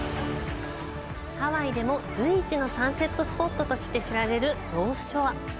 ハワイでも随一のサンセットスポットとして知られるノースショア。